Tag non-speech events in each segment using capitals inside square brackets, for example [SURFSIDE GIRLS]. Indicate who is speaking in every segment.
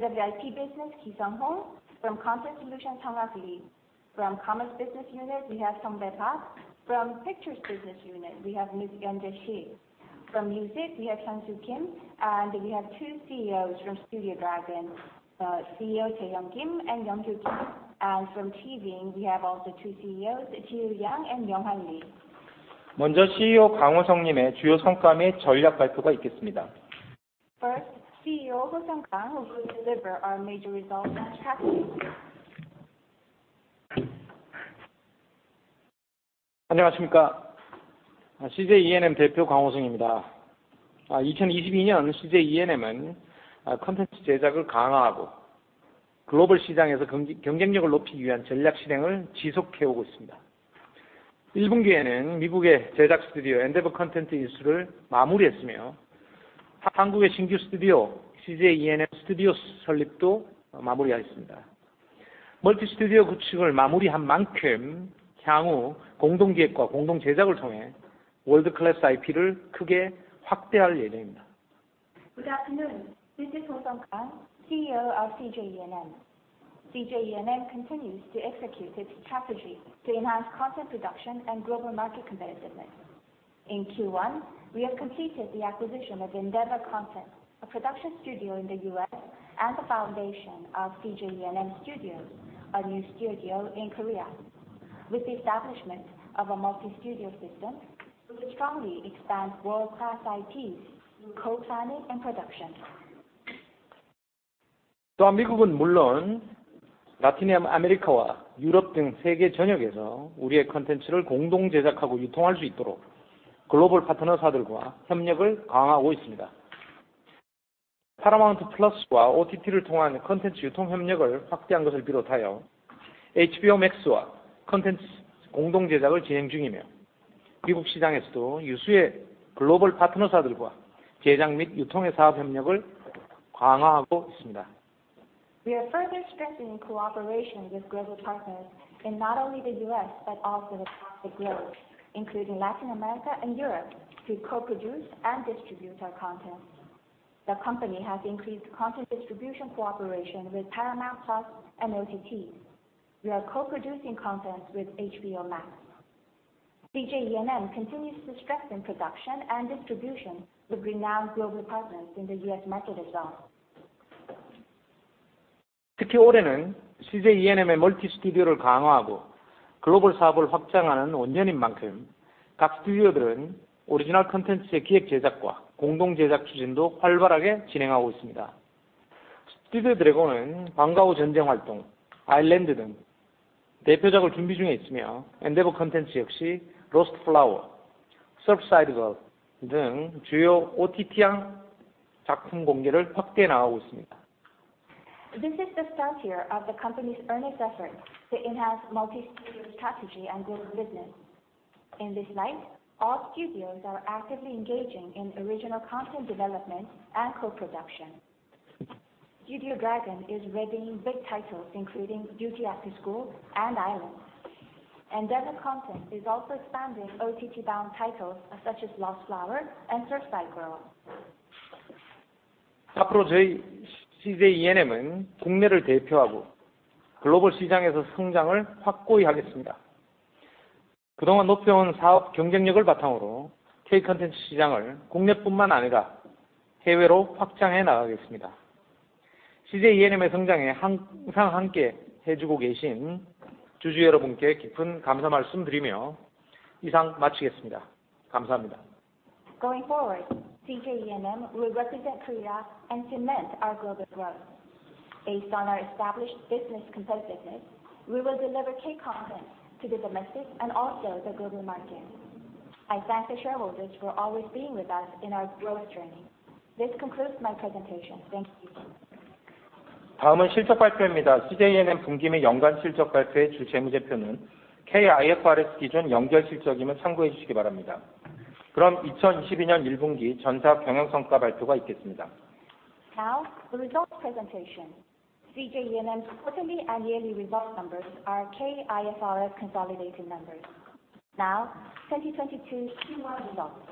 Speaker 1: For the IP business, Ki-Sung Hong, from Content Solutions, Sangah Lee. From Commerce Business Unit, we have Sungbae Park. From Pictures Business Unit, we have Eunje Shi. From Music, we have Hyun Soo Kim, and we have two CEOs from Studio Dragon, CEO Je Hyun Kim and Youngkyu Kim. From TVING, we have also two CEOs, Jiho Yang and Younghan Lee.
Speaker 2: 먼저 CEO 강호성 님의 주요 성과 및 전략 발표가 있겠습니다.
Speaker 1: First, CEO Ho-Sung Kang will deliver our major results and strategy.
Speaker 2: 안녕하십니까? CJ ENM 대표 강호성입니다. 2022년 CJ ENM은 콘텐츠 제작을 강화하고 글로벌 시장에서 경쟁력을 높이기 위한 전략 실행을 지속해 오고 있습니다. 1분기에는 미국의 제작 스튜디오 Endeavor Content 인수를 마무리했으며, 한국의 신규 스튜디오 CJ ENM Studios 설립도 마무리하였습니다. 멀티 스튜디오 구축을 마무리한 만큼 향후 공동 기획과 공동 제작을 통해 World-class IP를 크게 확대할 예정입니다.
Speaker 1: Good afternoon. This is Ho-Sung Kang, CEO of CJ ENM. CJ ENM continues to execute its strategy to enhance content production and global market competitiveness. In Q1, we have completed the acquisition of Endeavor Content, a production studio in the US, and the foundation of CJ ENM Studios, a new studio in Korea. With the establishment of a multi-studio system, we will strongly expand world-class IPs through co-planning and production.
Speaker 2: 또한 미국은 물론 라틴 아메리카와 유럽 등 세계 전역에서 우리의 콘텐츠를 공동 제작하고 유통할 수 있도록 글로벌 파트너사들과 협력을 강화하고 있습니다. Paramount+와 OTT를 통한 콘텐츠 유통 협력을 확대한 것을 비롯하여 HBO Max와 콘텐츠 공동 제작을 진행 중이며, 미국 시장에서도 유수의 글로벌 파트너사들과 제작 및 유통의 사업 협력을 강화하고 있습니다.
Speaker 1: We are further strengthening cooperation with global partners in not only the US, but also across the globe, including Latin America and Europe, to co-produce and distribute our content. The company has increased content distribution cooperation with Paramount+ and OTTs. We are co-producing content with HBO Max. CJ ENM continues to strengthen production and distribution with renowned global partners in the US market as well.
Speaker 2: 특히 올해는 CJ ENM의 멀티 스튜디오를 강화하고 글로벌 사업을 확장하는 원년인 만큼 각 스튜디오들은 오리지널 콘텐츠의 기획 제작과 공동 제작 추진도 활발하게 진행하고 있습니다. Studio Dragon은 <방과 후 전쟁활동>, [아일랜드] 등 대표작을 준비 중에 있으며, Endeavor Content 역시 <Lost Flower>, [SURFSIDE GIRLS] 등 주요 OTT향 작품 공개를 확대해 나가고 있습니다.
Speaker 1: This is the start year of the company's earnest effort to enhance multi-studio strategy and global business. In this light, all studios are actively engaging in original content development and co-production. Studio Dragon is readying big titles including Duty After School and Island. Endeavor Content is also expanding OTT-bound titles such as Lost Flower and Surfside Girls.
Speaker 2: 앞으로 저희 CJ ENM은 국내를 대표하고 글로벌 시장에서 성장을 확고히 하겠습니다. 그동안 높여온 사업 경쟁력을 바탕으로 K-콘텐츠 시장을 국내뿐만 아니라 해외로 확장해 나가겠습니다. CJ ENM의 성장에 항상 함께 해주고 계신 주주 여러분께 깊은 감사 말씀드리며 이상 마치겠습니다. 감사합니다.
Speaker 1: Going forward, CJ ENM will represent Korea and cement our global growth. Based on our established business competitiveness, we will deliver K-content to the domestic and also the global market. I thank the shareholders for always being with us in our growth journey. This concludes my presentation. Thank you.
Speaker 2: 다음은 실적 발표입니다. CJ ENM 분기 및 연간 실적 발표의 주 재무제표는 K-IFRS 기준 연결 실적임을 참고해 주시기 바랍니다. 그럼 2022년 1분기 전사 경영 성과 발표가 있겠습니다.
Speaker 1: Now, the results presentation. CJ ENM's quarterly and yearly results numbers are K-IFRS consolidated numbers. Now, 2022 Q1 results.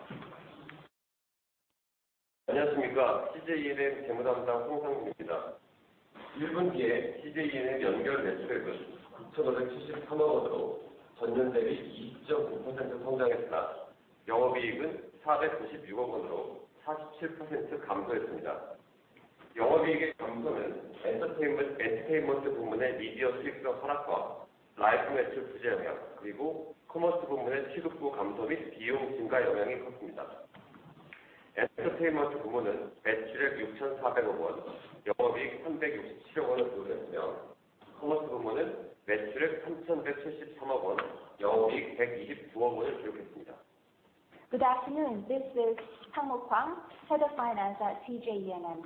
Speaker 3: 안녕하십니까? CJ ENM 재무 담당 상목 황입니다. 1분기에 CJ ENM 연결 매출액은 9,573억 원으로 전년 대비 20.9% 성장했으나, 영업이익은 496억 원으로 47% 감소했습니다. 영업이익의 감소는 Entertainment 부문의 미디어 수익성 하락과 라이브 매출 부재 영향, 그리고 Commerce 부문의 취급고 감소 및 비용 증가 영향이 컸습니다. Entertainment 부문은 매출액 6,400억 원, 영업이익 367억 원을 기록했으며, Commerce 부문은 매출액 3,173억 원, 영업이익 129억 원을 기록했습니다.
Speaker 1: Good afternoon. This is Sangmok Hwang, Head of Finance at CJ ENM.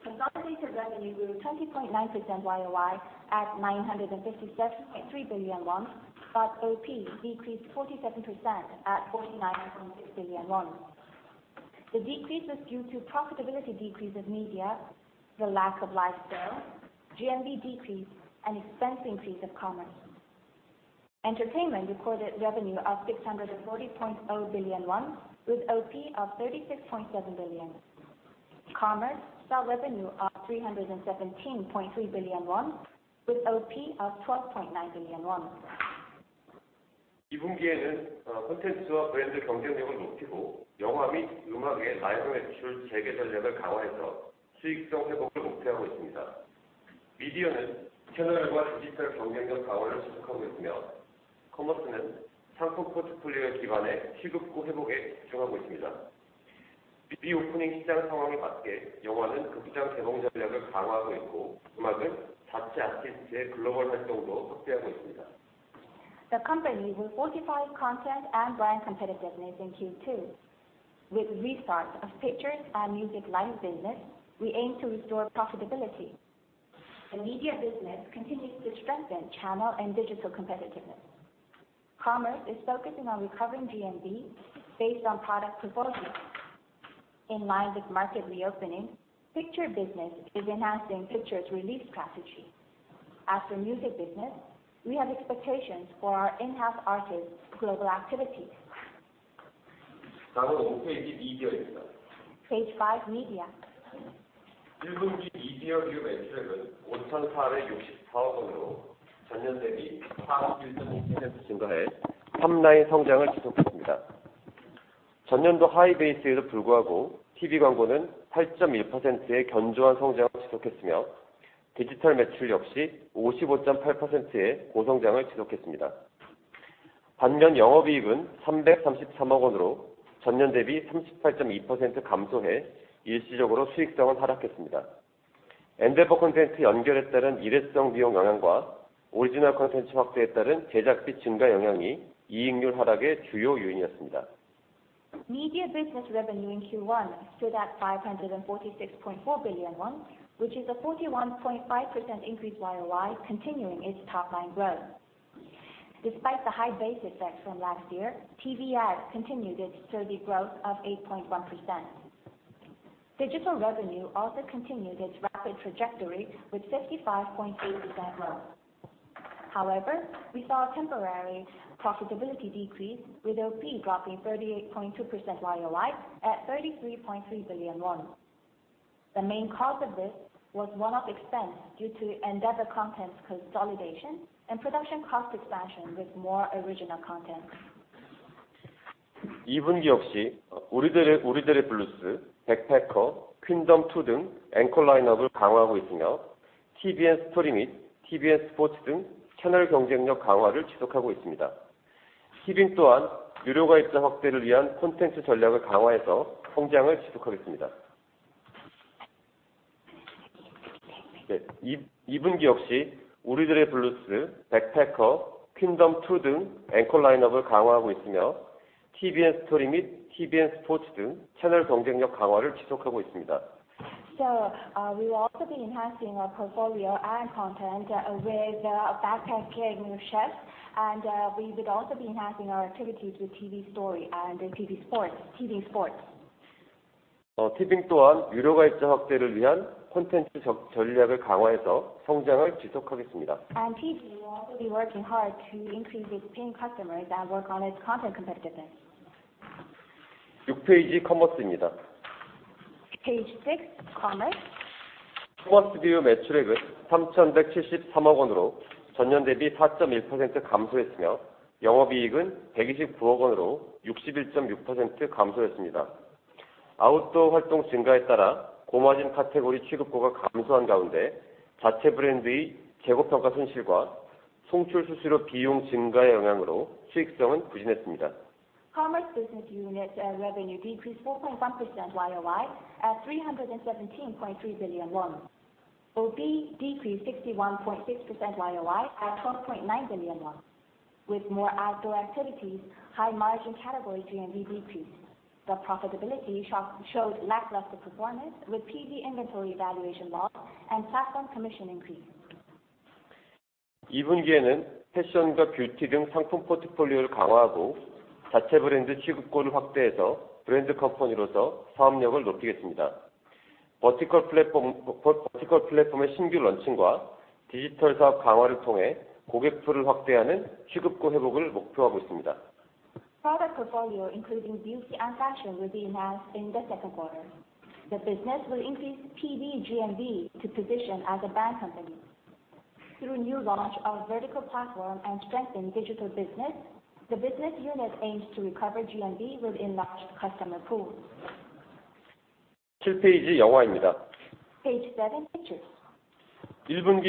Speaker 1: Consolidated revenue grew 20.9% YOY at 957.3 billion won, but OP decreased 47% at 49.6 billion won. The decrease was due to profitability decrease of media, the lack of live GMV decrease and expense increase of commerce. Entertainment recorded revenue of 640.0 billion won, with OP of 36.7 billion. Commerce saw revenue of 317.3 billion won, with OP of KRW 12.9 billion. The company will fortify content and brand competitiveness in Q2. With restart of pictures and music live business, we aim to restore profitability. The media business continues to strengthen channel and digital competitiveness. Commerce is focusing on recovering GMV based on product portfolio. In line with market reopening, Pictures Business Unit is enhancing pictures release strategy. As for music business, we have expectations for our in-house artists' global activities. Page five, media. Media business revenue in Q1 stood at 546.4 billion, which is a 41.5% increase YOY, continuing its top line growth. Despite the high base effects from last year, TV ads continued its steady growth of 8.1%. Digital revenue also continued its rapid trajectory with 55.8% growth. However, we saw a temporary profitability decrease, with OP dropping 38.2% YOY at 33.3 billion won. The main cause of this was one-off expense due to Endeavor Content consolidation and production cost expansion with more original content. We will also be enhancing our portfolio and content with Backpackers new shows, and we would also be enhancing our activities with tvN STORY and tvN SPORTS. TVING will also be working hard to increase its paying customers and work on its content competitiveness. Page six, commerce. Commerce Business Unit revenue decreased 4.1% YOY at KRW 317.3 billion. OP decreased 61.6% YOY at KRW 12.9 billion. With more outdoor activities, high-margin category GMV decreased. The profitability showed lackluster performance with CJ inventory valuation loss and platform commission increase. Product portfolio, including beauty and fashion, will be enhanced in the second quarter. The business will increase PB GMV to position as a brand company. Through new launch of vertical platform and strengthen digital business, the business unit aims to recover GMV with enlarged customer pool. Page seven, Pictures. Thanks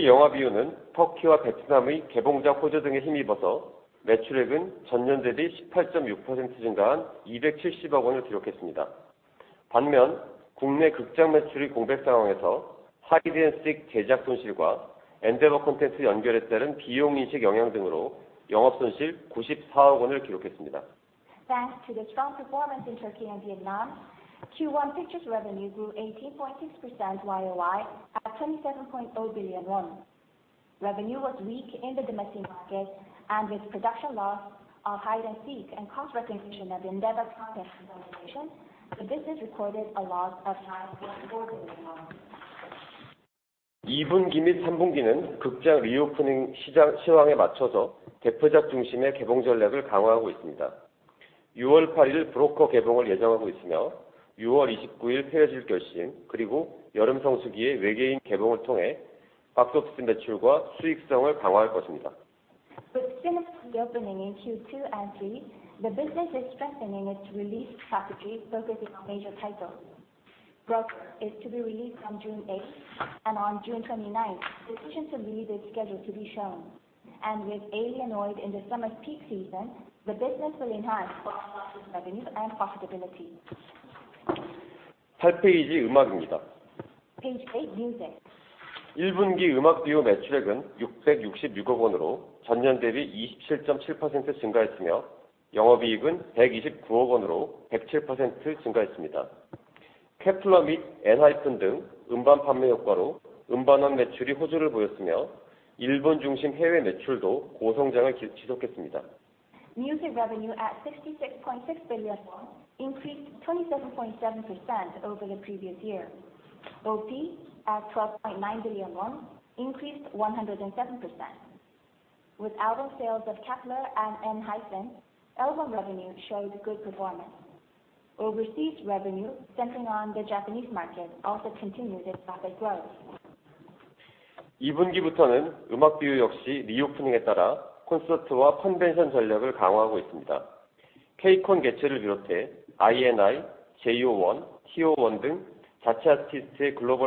Speaker 1: to the strong performance in Turkey and Vietnam, Q1 Pictures revenue grew 18.6% YOY at KRW 27.0 billion. Revenue was weak in the domestic market and with production loss of Hide and Seek and cost recognition of Endeavor Content consolidation, the business recorded a loss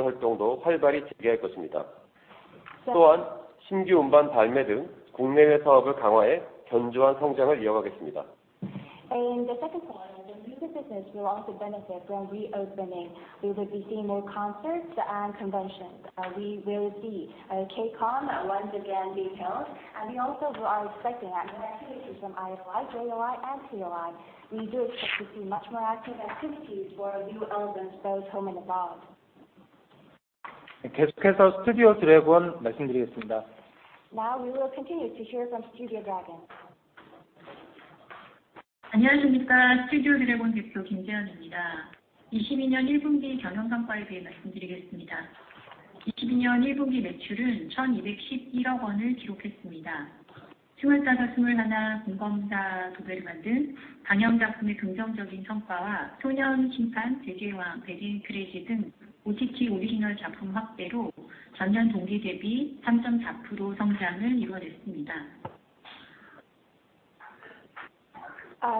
Speaker 1: of KRW 9.4 billion. With cinemas reopening in Q2 and 3, the business is strengthening its release strategy, focusing on major titles. Broker is to be released on June eighth, and on June twenty-ninth, Decision to Leave is scheduled to be shown. With Alienoid in the summer's peak season, the business will enhance box office revenues and profitability. Page eight, Music. Music revenue at KRW 66.6 billion, increased 27.7% over the previous year. OP at KRW 12.9 billion, increased 107%. With album sales of Kep1er and ENHYPEN, album revenue showed good performance. Overseas revenue, centering on the Japanese market, also continued its rapid growth. In the second quarter, the music business will also benefit from reopening. We will be seeing more concerts and conventions. We will see KCON once again being held, and we also are expecting activities from IOI, JO1, and INI. We do expect to see much more active activities for new albums, both home and abroad. Now, we will continue to hear from Studio Dragon. Good afternoon. This is Jaeyoung Kim, CEO of Studio Dragon. I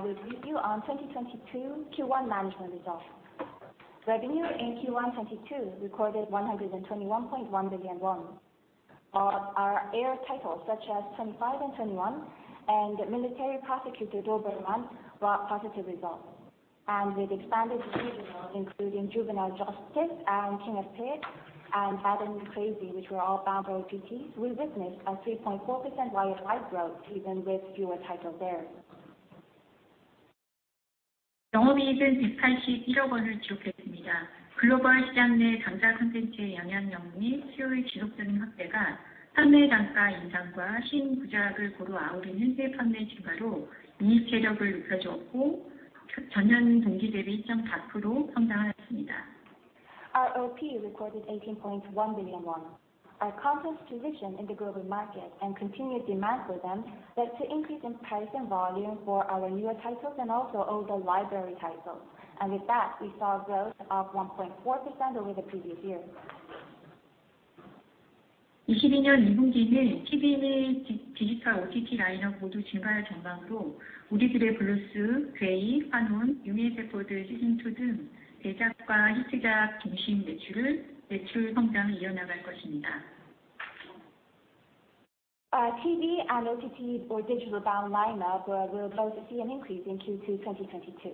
Speaker 1: will brief you on 2022 Q1 management results. Revenue in Q1, 2022 recorded 121.1 billion won. Our aired titles, such as Twenty-Five Twenty-One and Military Prosecutor Doberman brought positive results. With expanded originals, including Juvenile Justice and King of Tears and Bad and Crazy, which were all bound for OTTs, we witnessed a 3.4% year-on-year growth, even with fewer titles aired. Our OP recorded 18.1 billion won. Our content's tradition in the global market and continued demand for them led to increase in price and volume for our newer titles and also older library titles. With that, we saw a growth of 1.4% over the previous year. TV and OTT or digital bound lineup will both see an increase in Q2 2022.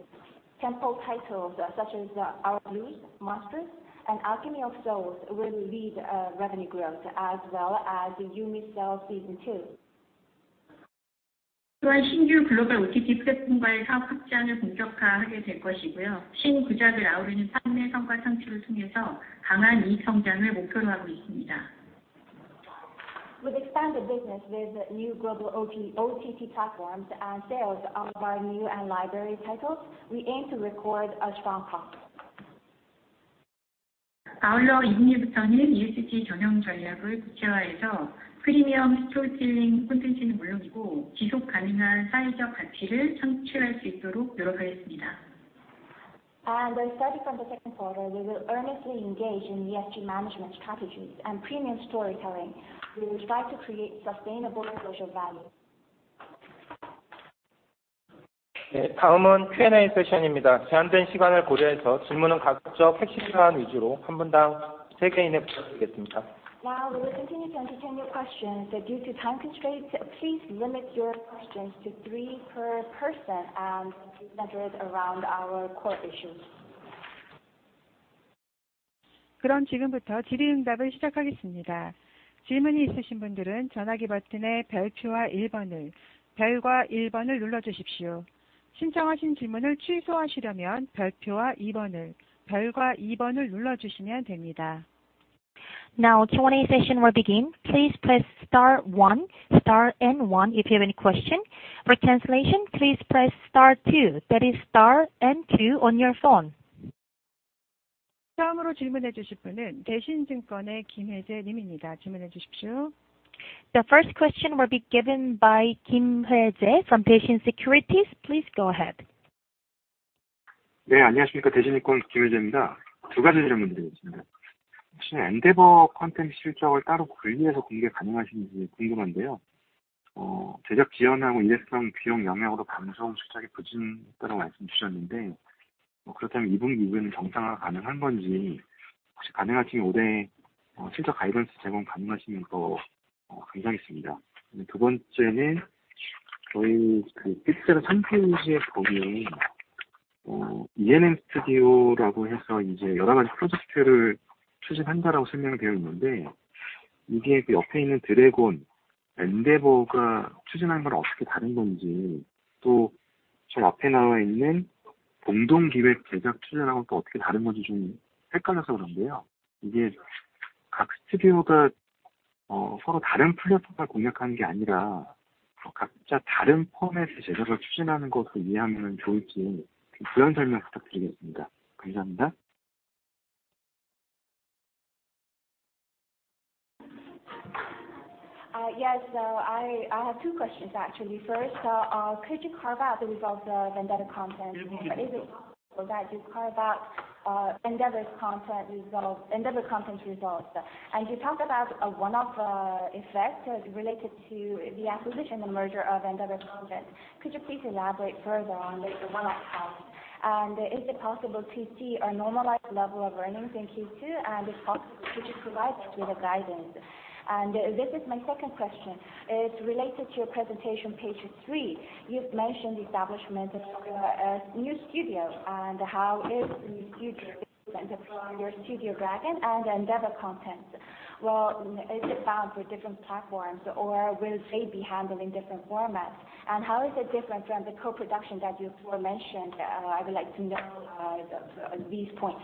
Speaker 1: Tentpole titles, such as Our Blues, Monsters, and Alchemy of Souls will lead revenue growth, as well as the Yumi's Cells Season two. With expanded business with new global OTT platforms and sales of our new and library titles, we aim to record a strong profit. We're starting from the second quarter, we will earnestly engage in ESG management strategies and premium storytelling. We will strive to create sustainable social value. Now, we will continue to entertain your questions. Due to time constraints, please limit your questions to three per person and center it around our core issues.
Speaker 4: Now Q&A session will begin. Please press star one, star and one, if you have any question. For translation, please press star two. That is star and two on your phone.
Speaker 1: The first question will be given by Kim Hoe-jae from Daishin Securities. Please go ahead.
Speaker 5: Ne. Annyeonghasimnikka. Daishin Securities Kim Heije imnida. Du gajui jeolmundeul itta. Hosi Endeavor Content siljeog-eul ddaro gunlihaeseo gonggye ganganhasimni gunggeumhandeyo. Jejak jijeonhago ilhaeseong biyong yongyeong-eulo bangsong siljeog-i bujinittda goi malseumjuseonneunde, geureotheom i bun higueneun jeongsanghwa gangan han geonji, hosi ganganhasimyeon olhae siljeog guidance jegong ganganhasimyeon deo gamsahamnida. Du beonjjaeneun jeohui inaudible champeonjiui geobiin E&M Studio lago haeseo yeoragaji project-eul chujejannda lago seolmyeong doeeo issneunde, ige ge yeope issneun Dragon Endeavor ga chujejan geon eotteoke daleun geonji, tto jeon ape nawa issneun gongdong gihwe gaejak chujejan geo eotteoke daleun geonji johom ssaekkkeolhyeoseo geureondeyo. Ige gak studio-ga seoro dareun platform-eul gongnyak haneun ge anira gakja dareun format-ui jejaeg-eul chujeunaneun geot-eul ihamyeon joilge buyon seolmyeong butakdrigetsemtda. Gamsahamnida.
Speaker 1: Yes. I have two questions actually. First, could you carve out the results of Endeavor Content? Is it possible that you carve out Endeavor Content results? You talked about one-off effect related to the acquisition and merger of Endeavor Content. Could you please elaborate further on the one-off cost? Is it possible to see our normalized level of earnings in Q2? And if possible, could you provide us with a guidance? This is my second question. It's related to your presentation, page three. You've mentioned the establishment of a new studio and how is the new studio different from your Studio Dragon and Endeavor Content? Well, is it bound for different platforms or will they be handling different formats? How is it different from the co-production that you mentioned? I would like to know these points.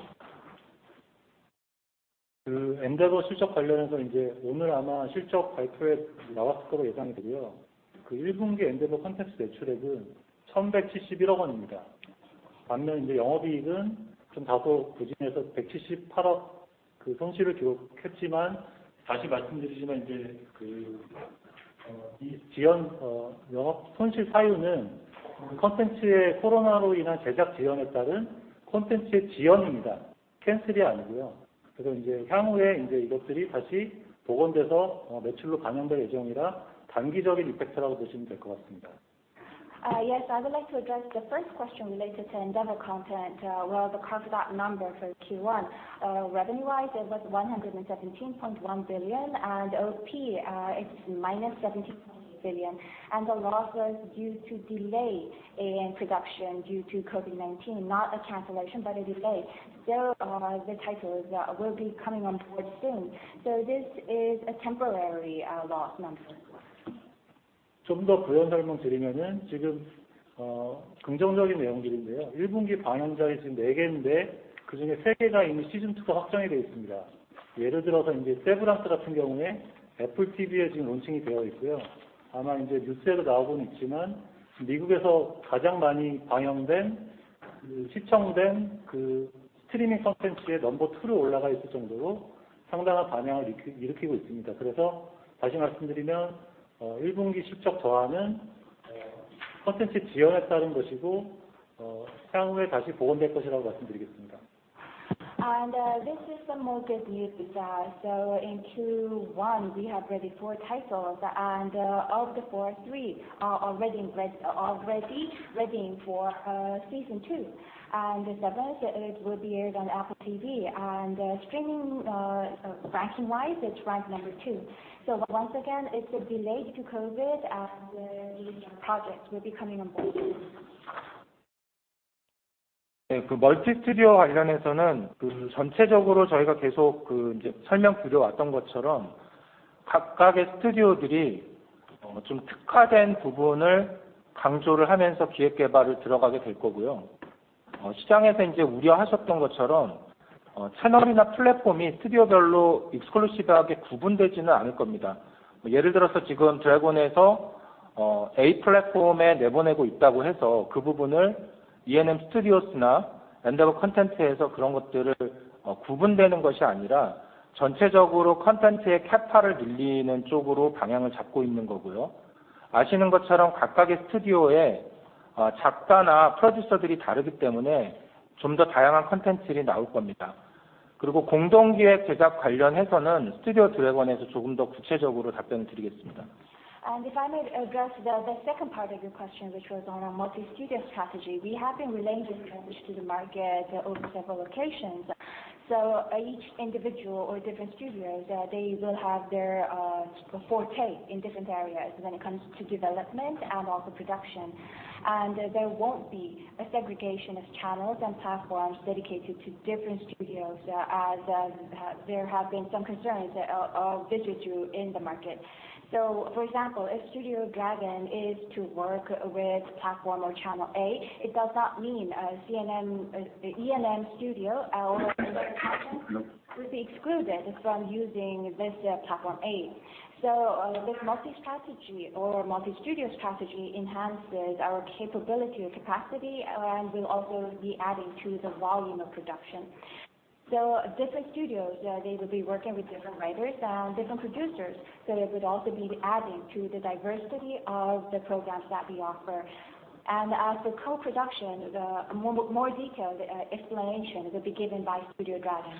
Speaker 6: Yes. I would like to address the first question related to Endeavor Content. The carve-out number for Q1, revenue-wise, it was 117.1 billion and OP, it's -70.8 billion, and the loss was due to delay in production due to COVID-19, not a cancellation, but a delay. The titles will be coming on board soon. This is a temporary loss nonetheless. This is some more good news. In Q1, we have really four titles and, of the four, three are already in place, already ready for season two. The seventh, it will be aired on Apple TV+. Streaming, ranking-wise, it's ranked number two. Once again, it's a delay due to COVID and the projects will be coming on board. If I may address the second part of your question, which was on our multi-studio strategy. We have been relating this message to the market over several occasions. Each individual or different studios, they will have their forte in different areas when it comes to development and also production. There won't be.
Speaker 1: A segregation of channels and platforms dedicated to different studios, as there have been some concerns of this issue in the market. So, for example, if Studio Dragon is to work with platform or channel A, it does not mean CJ ENM studio or any other platform would be excluded from using this platform A. This multi-strategy or multi-studio strategy enhances our capability or capacity, and will also be adding to the volume of production. Different studios, they will be working with different writers and different producers, so it would also be adding to the diversity of the programs that we offer. As for co-production, more detailed explanation will be given by Studio Dragon.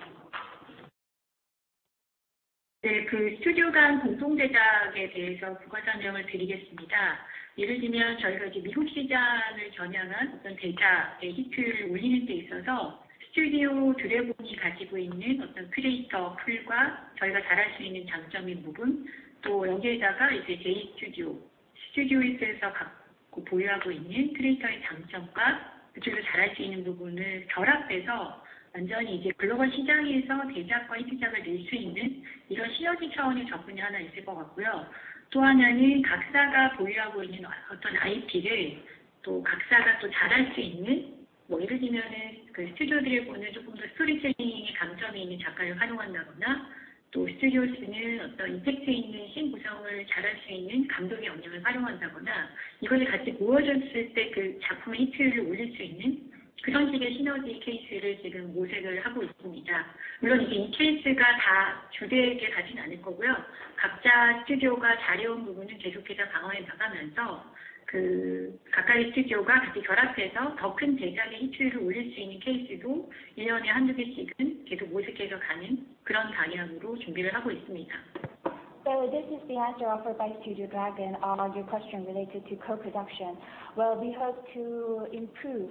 Speaker 1: This is the answer offered by Studio Dragon on your question related to co-production. Well, we hope to improve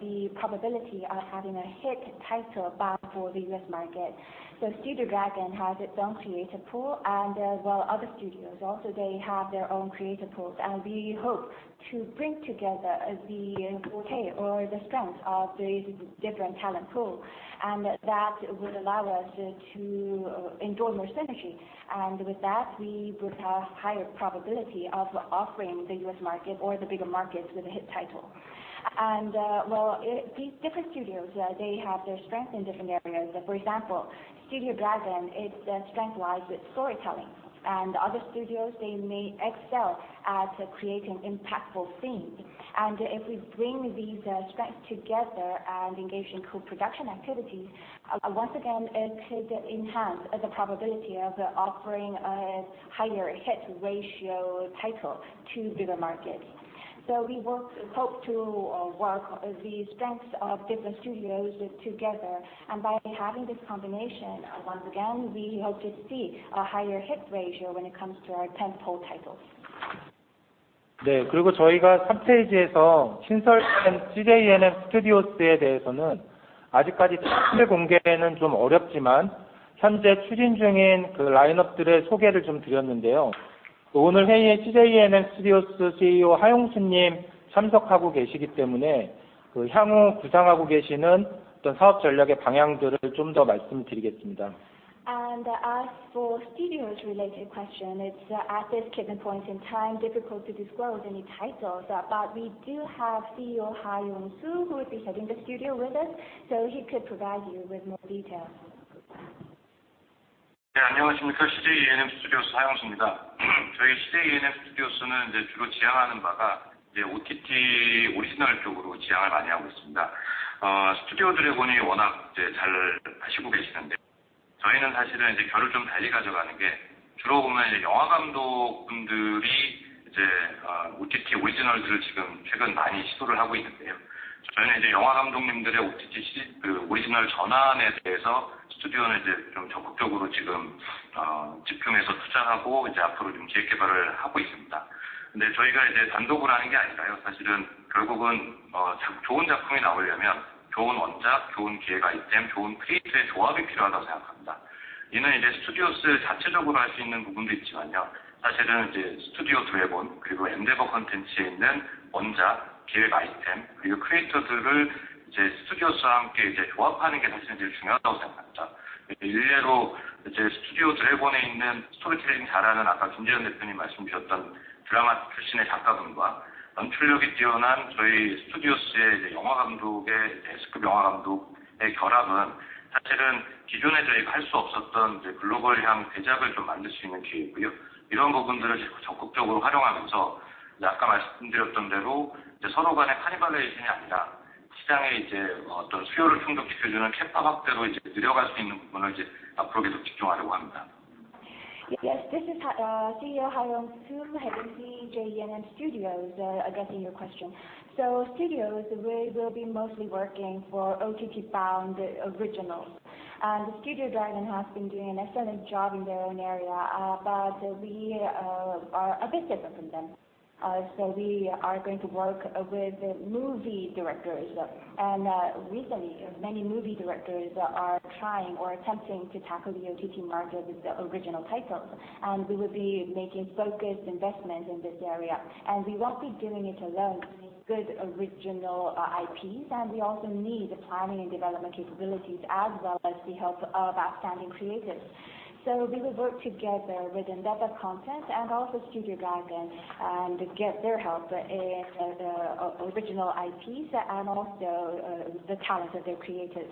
Speaker 1: the probability of having a hit title bound for the US market. Studio Dragon has its own creative pool and, well, other studios also they have their own creative pools. We hope to bring together the forte or the strength of the different talent pool. That would allow us to enjoy more synergy. With that, we would have higher probability of offering the US market or the bigger markets with a hit title. Well, these different studios they have their strength in different areas. For example, Studio Dragon, its strength lies with storytelling, and other studios they may excel at creating impactful scenes. If we bring these strengths together and engage in co-production activities, once again it could enhance the probability of offering a higher hit ratio title to bigger markets. We hope to work the strengths of different studios together, and by having this combination, once again, we hope to see a higher hit ratio when it comes to our tentpole titles. As for studio-related question, it's at this given point in time difficult to disclose any titles, but we do have CEO Ha Yong-soo who will be heading the studio with us, so he could provide you with more details. Yes, this is CEO Ha Yong-soo, heading CJ ENM Studios, addressing your question. Studios, we will be mostly working for OTT-bound originals. Studio Dragon has been doing an excellent job in their own area, but we are a bit different from them. We are going to work with movie directors. Recently, many movie directors are trying or attempting to tackle the OTT market with the original titles. We will be making focused investments in this area. We won't be doing it alone, we need good original IPs, and we also need the planning and development capabilities as well as the help of outstanding creatives. We will work together with Endeavor Content and also Studio Dragon and get their help in the original IPs and also the talent of their creatives.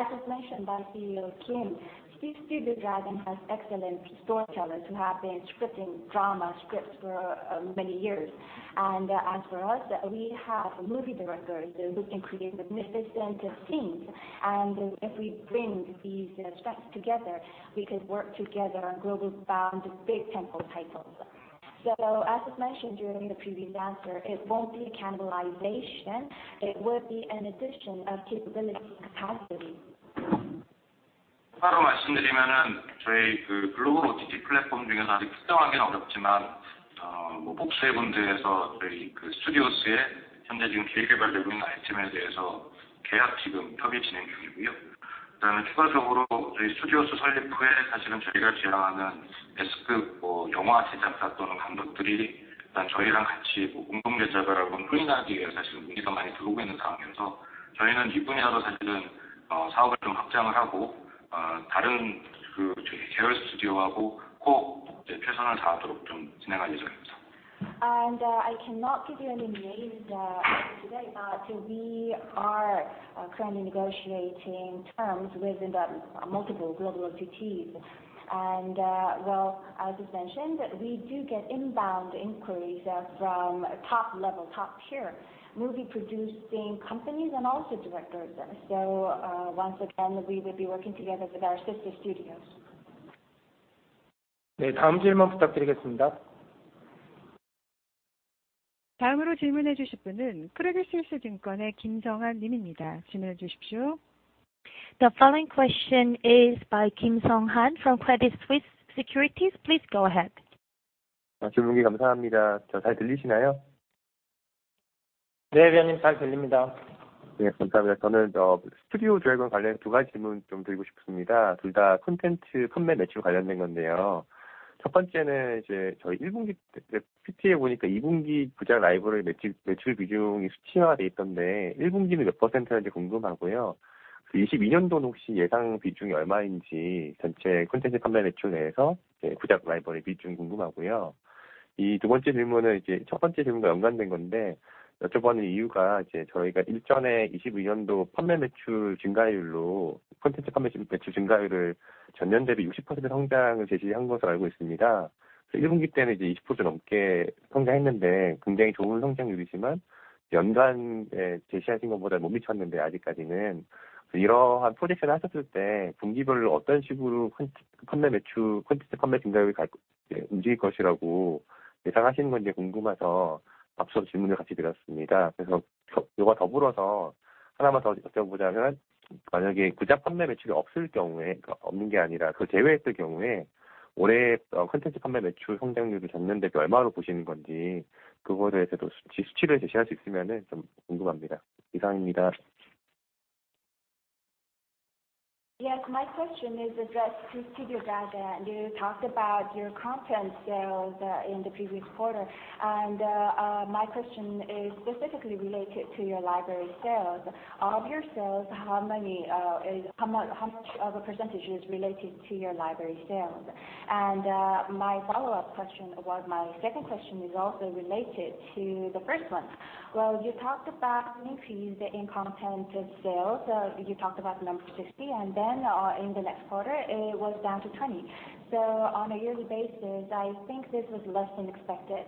Speaker 1: As was mentioned by CEO Kim, Studio Dragon has excellent storytellers who have been scripting drama scripts for many years. As for us, we have movie directors who can create magnificent scenes. If we bring these strengths together, we could work together on globally-bound big tentpole titles. As was mentioned during the previous answer, it won't be cannibalization, it would be an addition of capability capacity. I cannot give you any names today. We are currently negotiating terms within the multiple global entities. As was mentioned, we do get inbound inquiries from top level, top tier movie producing companies and also directors. Once again, we will be working together with our sister studios.
Speaker 4: The following question is by Kim Sung-han from Credit Suisse Securities. Please go ahead.
Speaker 1: Yes, my question is addressed to Studio Dragon. You talked about your content sales in the previous quarter. My question is specifically related to your library sales. Of your sales, how much of a percentage is related to your library sales? My follow-up question, well my second question is also related to the first one. Well, you talked about an increase in content sales. You talked about the number 60, and then, in the next quarter, it was down to 20. So, on a yearly basis, I think this was less than expected.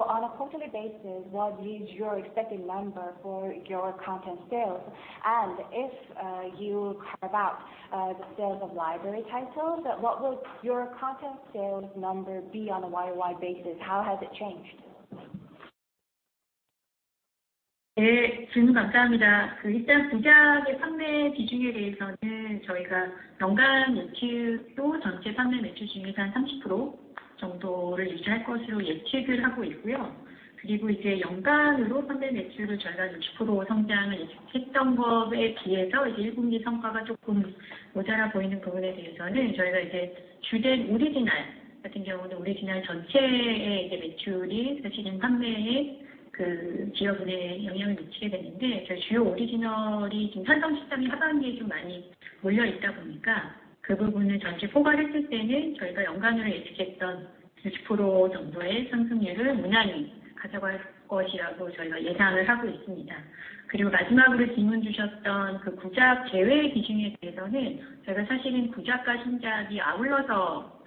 Speaker 1: On a quarterly basis, what is your expected number for your content sales? If you carve out the sales of library titles, what will your content sales number be on a YOY basis? How has it changed?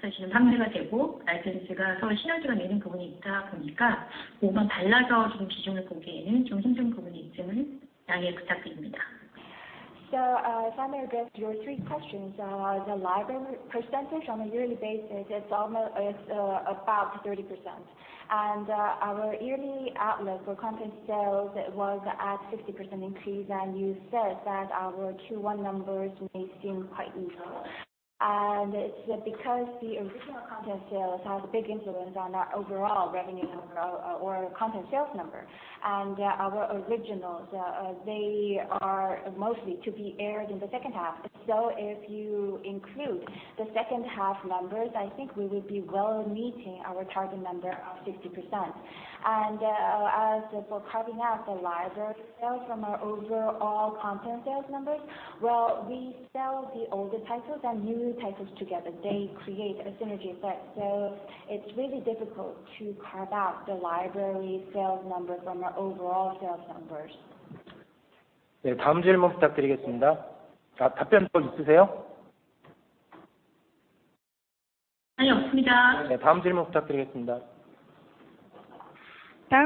Speaker 7: If I may address your three questions, the library percentage on a yearly basis is about 30%. Our yearly outlook for content sales was at 60% increase, and you said that our Q1 numbers may seem quite low.
Speaker 1: It's because the original content sales has a big influence on our overall revenue number or content sales number. Our originals, they are mostly to be aired in the second half. If you include the second half numbers, I think we would be well meeting our target number of 60%. As for carving out the library sales from our overall content sales numbers, well, we sell the older titles and new titles together. They create a synergy effect. So, it's really difficult to carve out the library sales number from our overall sales numbers.
Speaker 4: The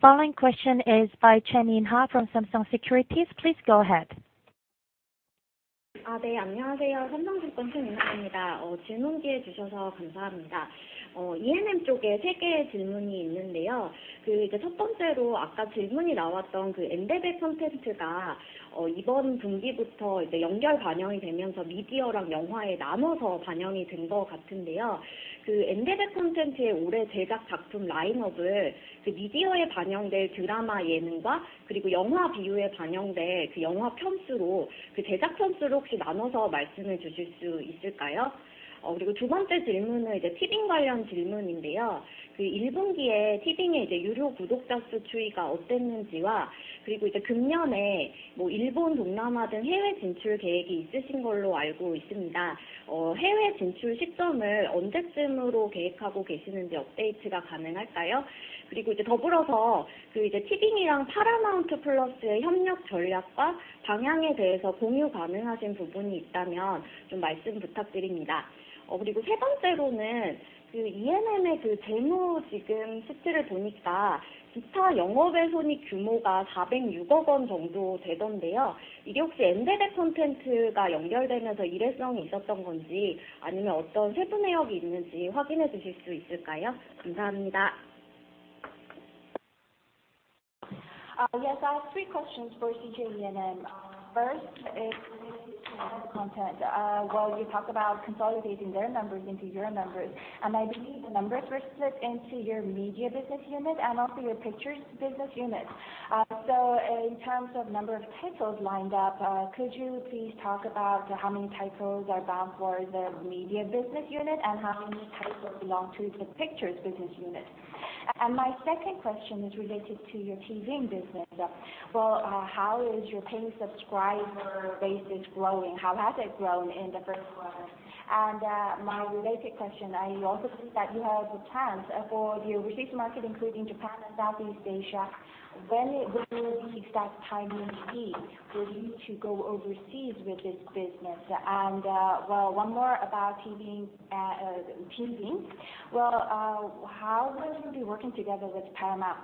Speaker 4: following question is Jeon In-ae from Samsung Securities. Please go ahead.
Speaker 1: Yes. I have three questions for CJ ENM. First is content. While you talk about consolidating their numbers into your numbers, and I believe the numbers were split into your media business unit and also your pictures business unit. So in terms of number of titles lined up, could you please talk about how many titles are bound for the media business unit and how many titles belong to the pictures business unit? My second question is related to your TVING business. How is your paying subscriber bases growing? How has it grown in the first quarter? My related question, I also see that you have plans for the overseas market, including Japan and Southeast Asia. When would you expect timing to be for you to go overseas with this business? One more about TVING. Well, how will you be working together with Paramount+?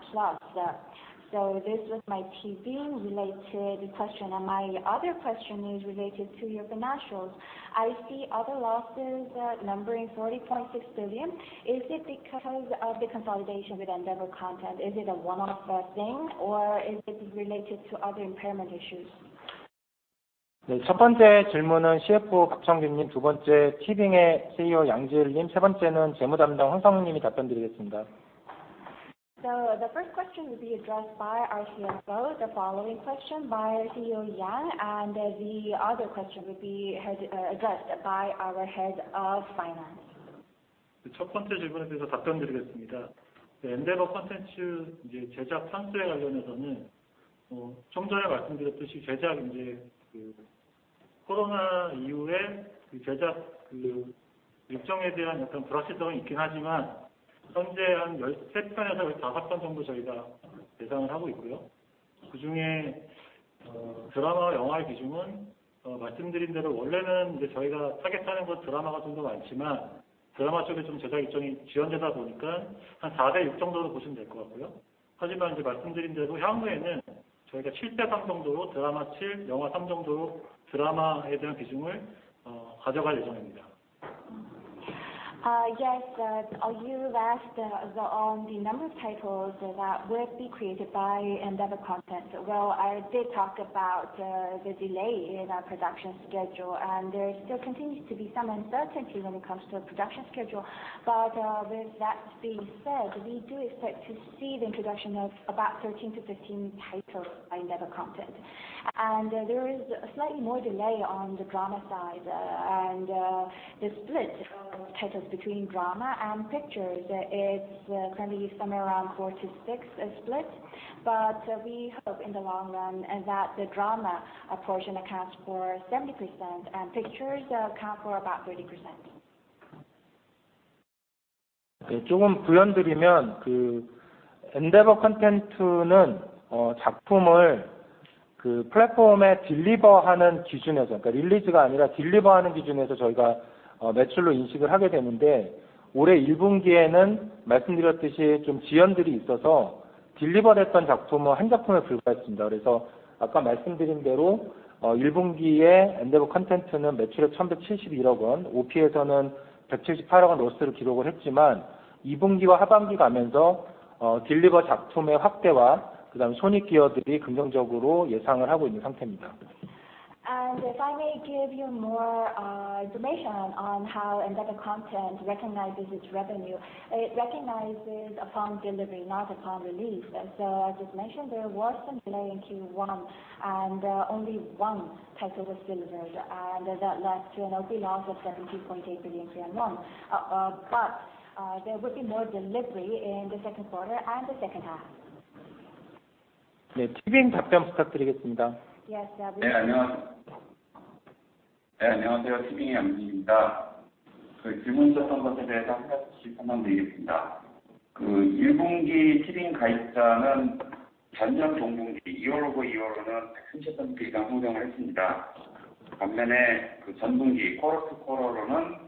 Speaker 1: This was my TVING related question. My other question is related to your financials. I see other losses numbering 40.6 billion. Is it because of the consolidation with Endeavor Content? Is it a one-off thing, or is it related to other impairment issues? The first question will be addressed by our CFO, the following question by CEO Yang, and the other question will be addressed by our Head of Finance. Yes. You asked on the number of titles that will be created by Endeavor Content. Well, I did talk about the delay in our production schedule, and there still continues to be some uncertainty when it comes to production schedule. with that being said, we do expect to see the introduction of about 13-15 titles by Endeavor Content. There is slightly more delay on the drama side, and the split of titles between drama and pictures. It's currently somewhere around four-six split, but we hope in the long run and that the drama portion accounts for 70% and pictures account for about 30%.
Speaker 6: 2분기와 하반기 가면서 딜리버 작품의 확대와 그다음 손익 기여들이 긍정적으로 예상을 하고 있는 상태입니다.
Speaker 1: If I may give you more information on how Endeavor Content recognizes its revenue. It recognizes upon delivery, not upon release. As I just mentioned, there was some delay in Q1, and only one title was delivered, and that led to an OP loss of 72.8 billion. But, there will be more delivery in the second quarter and the second half.
Speaker 6: 네, 티빙 답변 부탁드리겠습니다.
Speaker 1: Yes.
Speaker 8: 네, 안녕하세요. 티빙의 양진희입니다. 질문 주셨던 것에 대해서 하나씩 설명드리겠습니다. 1분기 티빙 가입자는 전년 동분기, year over year로는 30% 이상 성장을 했습니다. 반면에 전 분기, quarter to quarter로는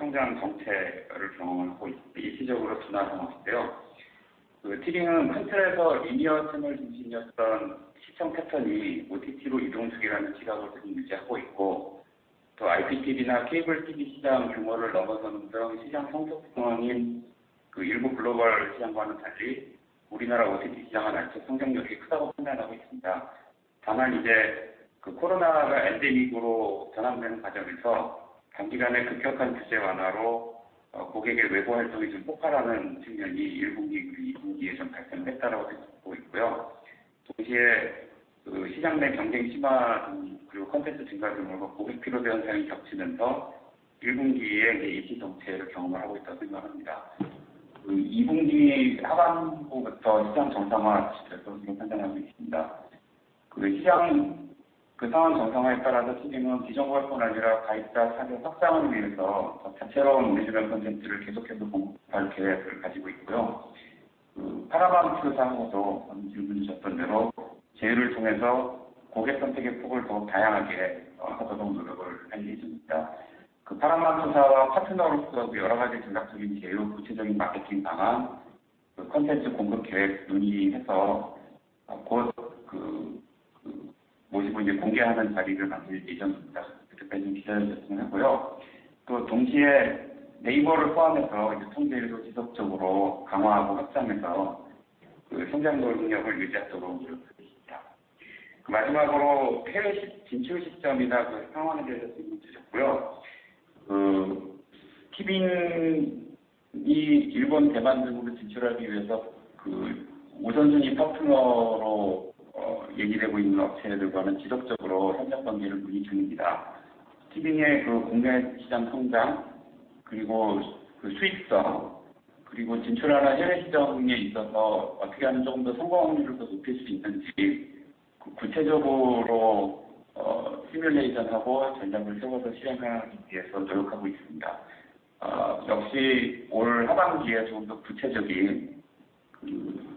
Speaker 8: 성장 정체를 경험을 하고 있는, 일시적으로 지나는 상황이고요. 티빙은 큰 틀에서 linear 채널 중심이었던 시청 패턴이 OTT로 이동 중이라는 시각을 지금 유지하고 있고, 또 IPTV나 Cable TV 시장 규모를 넘어서는 등 시장 성숙 상황인 일부 글로벌 시장과는 달리 우리나라 OTT 시장은 아직 성장력이 크다고 판단하고 있습니다. 다만 코로나가 엔데믹으로 전환되는 과정에서 단기간에 급격한 규제 완화로 고객의 외부 활동이 좀 폭발하는 측면이 1분기 그리고 2분기에 좀 발생했다라고 볼수 있고요. 동시에 시장 내 경쟁 심화 등 그리고 콘텐츠 증가 등으로 고객 피로 현상이 겹치면서 1분기에 일시 정체를 경험을 하고 있다고 생각합니다. 2분기 하반기부터 시장 정상화 시대로 지금 판단하고 있습니다. 시장 상황 정상화에 따라서 티빙은 기존 것뿐 아니라 가입자 차별 확산을 위해서 더 다채로운 오리지널 콘텐츠를 계속해서 공급할 계획을 가지고 있고요. Paramount+하고도 방금 질문 주셨던 대로 제휴를 통해서 고객 선택의 폭을 더욱 다양하게 하도록 노력을 할 예정입니다. Paramount+와 파트너로서 여러 가지 전략적인 제휴, 구체적인 마케팅 방안, 콘텐츠 공급 계획 논의해서 곧 모시고 이제 공개하는 자리를 가질 예정입니다. 그때까지 좀 기다려 주셨으면 하고요. 또 동시에 NAVER 를 포함해서 유통 채널도 지속적으로 강화하고 확장해서 성장동력을 유지하도록 노력하겠습니다. 마지막으로 해외 진출 시점이나 상황에 대해서 질문 주셨고요. 티빙이 일본, 대만 등으로 진출하기 위해서 우선순위 파트너로 얘기되고 있는 업체들과는 지속적으로 협력 관계를 논의 중입니다. 티빙의 국내 시장 성장 그리고 수익성 그리고 진출하려는 해외 시장에 있어서 어떻게 하면 조금 더 성공 확률을 더 높일 수 있는지 구체적으로 simulation하고 전략을 세워서 실행하기 위해서 노력하고 있습니다. 역시 올 하반기에 조금 더 구체적인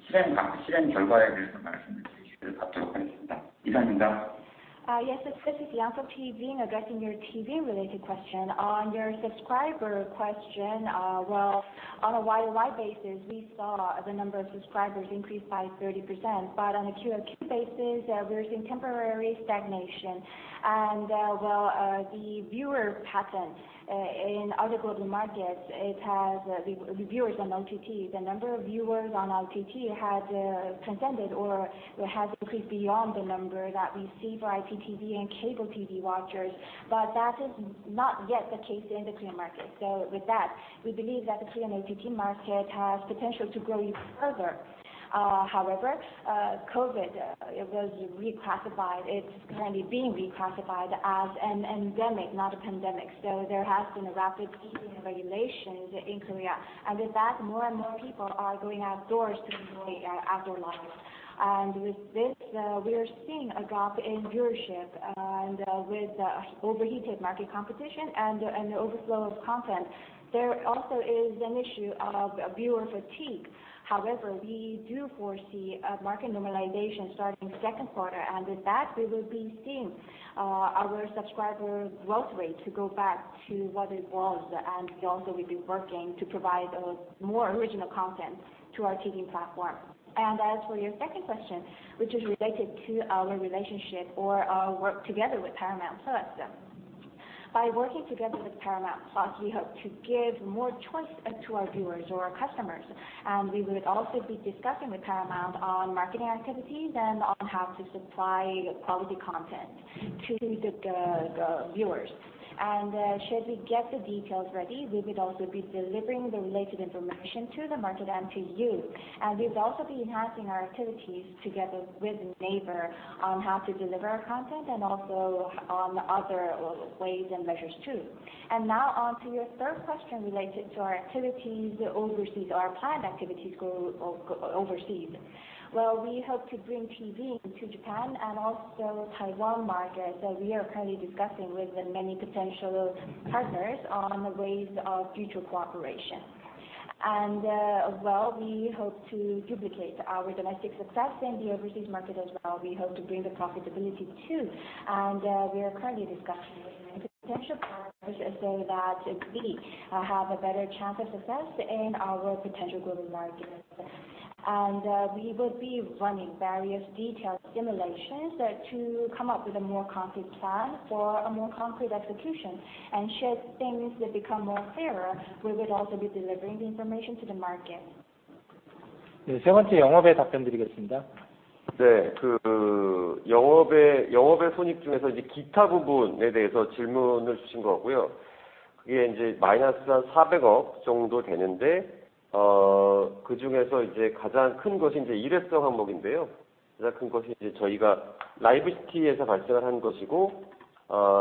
Speaker 8: 실행 결과에 대해서 말씀을 드릴 수 있도록 하겠습니다. 이상입니다.
Speaker 1: Yes, this is Jiho Yang from TVing addressing your TV related question. On your subscriber question, well, on a YOY basis, we saw the number of subscribers increased by 30%. on a QOQ basis, we're seeing temporary stagnation. well, the viewer pattern in other global markets, it has, the viewers on OTT, the number of viewers on OTT has transcended or has increased beyond the number that we see for IPTV and cable TV watchers. that is not yet the case in the Korean market. with that, we believe that the Korean OTT market has potential to grow even further. However, COVID, it was reclassified. It's currently being reclassified as an endemic, not a pandemic. there has been a rapid easing of regulations in Korea. With that, more and more people are going outdoors to enjoy outdoor life. With this, we are seeing a drop in viewership, and with overheated market competition and the overflow of content, there also is an issue of viewer fatigue. However, we do foresee a market normalization starting second quarter. With that, we will be seeing our subscriber growth rate to go back to what it was. We also will be working to provide more original content to our TV platform. As for your second question, which is related to our relationship or our work together with Paramount+, by working together with Paramount+ we hope to give more choice to our viewers or our customers. We would also be discussing with Paramount on marketing activities and on how to supply quality content to the viewers. Should we get the details ready, we would also be delivering the related information to the market and to you. We've also been enhancing our activities together with NAVER on how to deliver our content and also on other ways and measures too. Now on to your third question related to our activities overseas or our planned activities overseas. Well, we hope to bring TVING to Japan and also Taiwan market. We are currently discussing with many potential partners on ways of future cooperation. Well, we hope to duplicate our domestic success in the overseas market as well. We hope to bring the profitability too. And we are currently discussing with many potential partners so that we have a better chance of success in our potential global markets. And we will be running various detailed simulations to come up with a more concrete plan for a more concrete execution. Should things become more clearer, we would also be delivering the information to the market.네, 세 번째 영업에 답변드리겠습니다.
Speaker 3: 영업 손익 중에서 기타 부분에 대해서 질문을 주신 거고요. 그게 마이너스 한 400억 정도 되는데, 그중에서 가장 큰 것이 일회성 항목인데요. 가장 큰 것이 저희가 CJ라이브시티에서 발생을 한 것이고,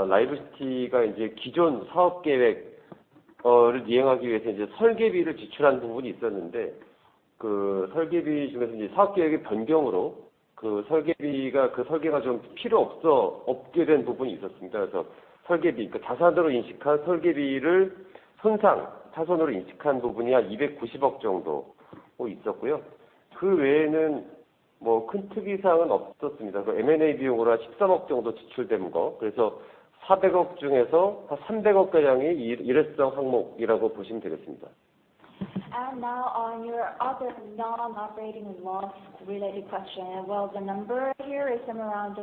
Speaker 3: CJ라이브시티가 기존 사업계획을 이행하기 위해서 설계비를 지출하는 부분이 있었는데, 그 설계비 중에서 사업계획의 변경으로 그 설계가 필요 없게 된 부분이 있었습니다. 그래서 자산으로 인식한 설계비를 손상차손으로 인식한 부분이 한 290억 정도 있었고요. 그 외에는 큰 특이사항은 없었습니다. M&A 비용으로 한 13억 정도 지출된 거, 그래서 400억 중에서 한 300억 가량이 일회성 항목이라고 보시면 되겠습니다.
Speaker 1: Now on your other non-operating loss related question. Well, the number here is from around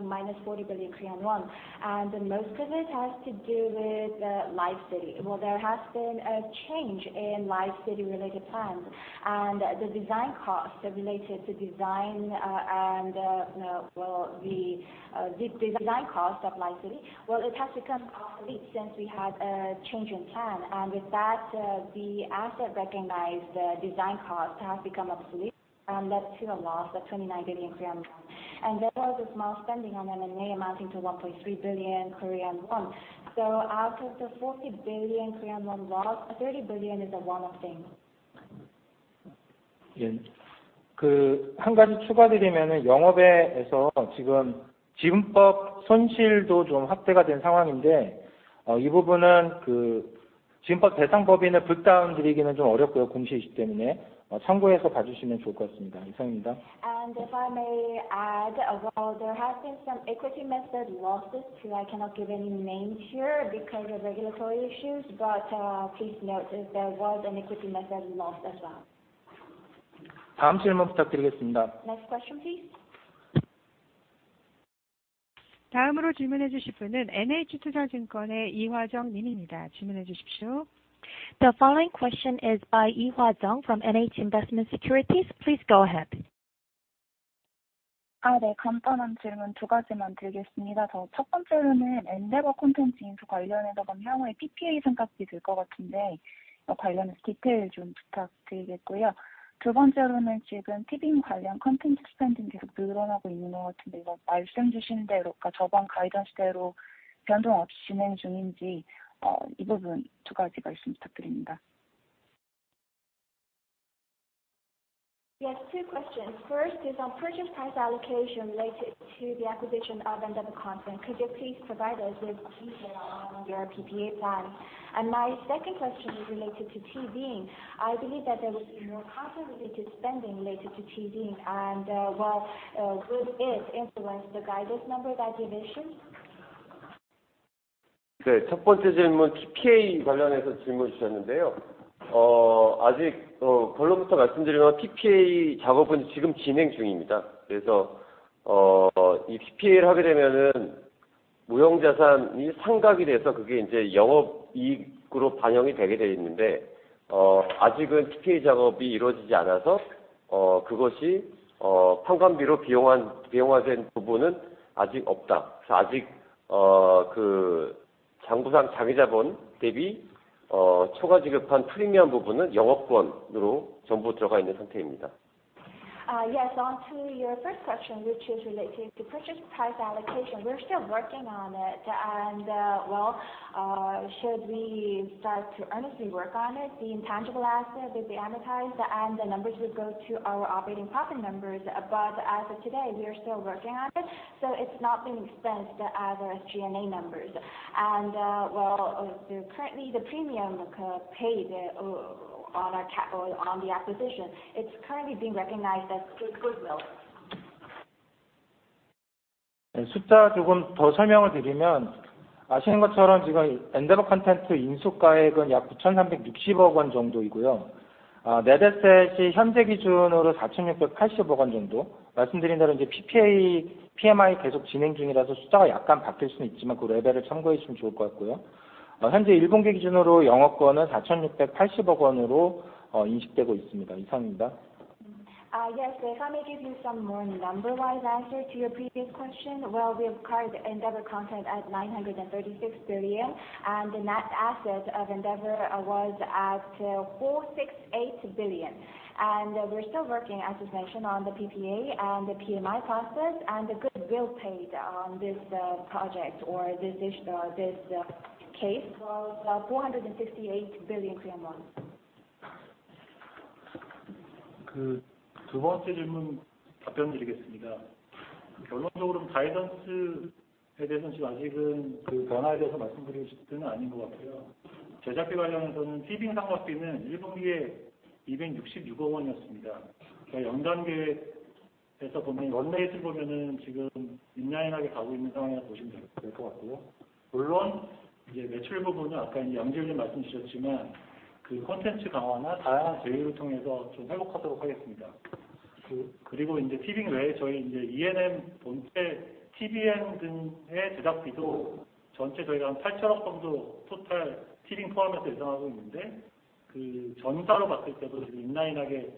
Speaker 1: 40 billion Korean won, and most of it has to do with the CJ Live City. Well, there has been a change in CJ Live City related plans and the design costs related to design, and well, the design cost of CJ Live City, well, it has become obsolete since we had a change in plan. With that, the asset-recognized design cost has become obsolete, and that's been a loss of KRW 29 billion. There was a small spending on M&A amounting to KRW 1.3 billion. Out of the KRW 40 billion loss, KRW 30 billion is a one-off thing. 예, 그한 가지 추가 드리면은 영업에서 지금 지분법 손실도 좀 확대가 된 상황인데, 이 부분은 그 지분법 대상 법인을 붉다운 드리기는 좀 어렵고요, 공시 이슈 때문에. 참고해서 봐주시면 좋을 것 같습니다. 이상입니다. And if I may add, well, there has been some equity method losses too. I cannot give any names here because of regulatory issues. Please note there was an equity method loss as well. 다음 질문 부탁드리겠습니다.
Speaker 4: Next question please. 다음으로 질문해 주실 분은 NH투자증권의 이화정 님입니다. 질문해 주십시오. The following question is by 이화정 from NH Investment & Securities. Please go ahead.
Speaker 9: 간단한 질문 두 가지만 드리겠습니다. 첫 번째로는 Endeavor Content 인수 관련해서 향후에 PPA 상각비 들것 같은데 관련해서 디테일 좀 부탁드리겠고요. 두 번째로는 지금 TVING 관련 콘텐츠 스펜딩 계속 늘어나고 있는 것 같은데 이거 말씀주신 대로, 그러니까 저번 가이던스대로 변동 없이 진행 중인지, 이 부분 두 가지 말씀 부탁드립니다.
Speaker 1: Yes, two questions. First is on purchase price allocation related to the acquisition of Endeavor Content. Could you please provide us with detail on your PPA plan? My second question is related to TVing. I believe that there will be more content related spending related to TVing. Would it influence the guidance number that you mentioned?
Speaker 3: PPA 관련해서 질문 주셨는데요. 결론부터 말씀드리면 PPA 작업은 지금 진행 중입니다. 이 PPA를 하게 되면 무형자산이 상각이 돼서 그게 이제 영업이익으로 반영이 되게 돼 있는데, 아직은 PPA 작업이 이루어지지 않아서 그것이 감가비로 비용화된 부분은 아직 없습니다. 아직 장부상 자기자본 대비 초과 지급한 프리미엄 부분은 영업권으로 전부 들어가 있는 상태입니다.
Speaker 1: Yes. On to your first question, which is related to purchase price allocation. We're still working on it. Should we start to earnestly work on it, the intangible asset will be amortized and the numbers would go to our operating profit numbers. As of today, we are still working on it, so it's not being expensed as G&A numbers. Currently the premium paid on the acquisition, it's currently being recognized as goodwill.
Speaker 3: 숫자 조금 더 설명을 드리면, 아시는 것처럼 지금 Endeavor Content 인수 가액은 약 9,360억원 정도이고요. Net Asset이 현재 기준으로 4,680억원 정도입니다. 말씀드린 대로 이제 PPA, PMI 계속 진행 중이라서 숫자가 약간 바뀔 수는 있지만, 그 레벨을 참고해 주시면 좋을 것 같고요. 현재 1분기 기준으로 영업권은 4,680억원으로 인식되고 있습니다. 이상입니다.
Speaker 1: Yes. If I may give you some more number-wise answer to your previous question, well, we acquired Endeavor Content at 936 billion, and the net asset of Endeavor was at 468 billion. We're still working, as was mentioned, on the PPA and the PMI process, and the goodwill paid on this project or this case was KRW 458 billion.
Speaker 6: 두 번째 질문 답변드리겠습니다. 결론적으로는 가이던스에 대해서는 지금 아직은 변화에 대해서 말씀드릴 때는 아닌 것 같고요. 제작비 관련해서는 TVING 상각비는 1분기에 266억원이었습니다. 연간 계획에서 보면, run rate를 보면 지금 인라인하게 가고 있는 상황이라고 보시면 될것 같고요. 물론 매출 부분은 아까 양지은 님 말씀 주셨지만, 콘텐츠 강화나 다양한 제휴를 통해서 좀 회복하도록 하겠습니다. 그리고 TVING 외에 저희 ENM 본체, tvN 등의 제작비도 전체 저희가 한 8,000억원 정도 토탈 TVING 포함해서 예상하고 있는데, 전사로 봤을 때도 지금 인라인하게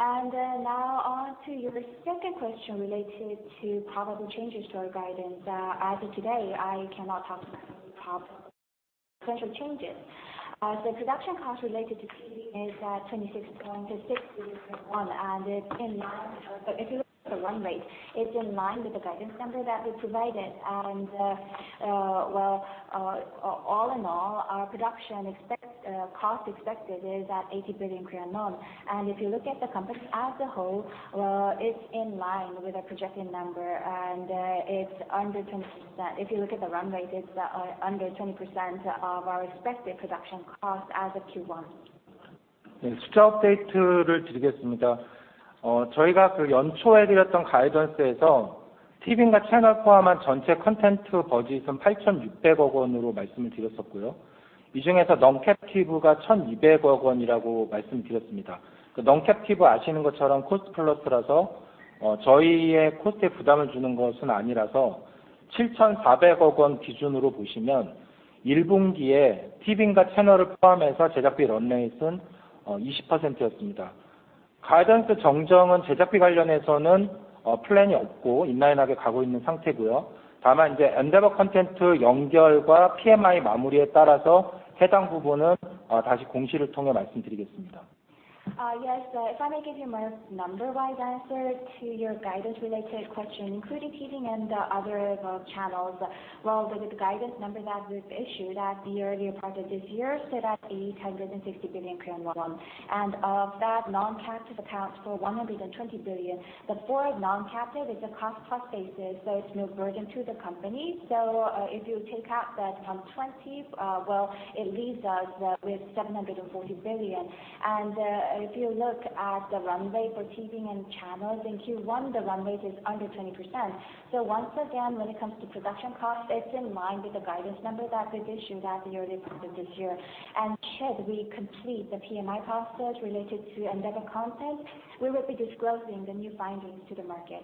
Speaker 1: And now on to your second question related to probable changes to our guidance. As of today, I cannot talk about any probable potential changes. The production cost related to TV is at 26.6 billion. It's in line, if you look at the run rate, it's in line with the guidance number that we provided. All in all, our production cost expected is at 80 billion Korean won. If you look at the company as a whole, it's in line with our projected number, and it's under 20%. If you look at the run rate, it's under 20% of our expected production costs as of Q1. Yes, if I may give you more number-wise answer to your guidance related question, including TV and the other channels. Well, the guidance number that we've issued at the earlier part of this year sits at 860 billion Korean won. Of that, non-captive accounts for 120 billion. The four non-captive is a cost plus basis, so it's no burden to the company. So, if you take out that 120, well, it leaves us with 740 billion. And if you look at the run rate for TV and channels, in Q1, the run rate is under 20%. Once again, when it comes to production costs, it's in line with the guidance number that we've issued at the early part of this year. Should we complete the PMI process related to Endeavor Content, we will be disclosing the new findings to the market.